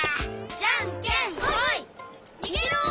じゃんけんほい！にげろ！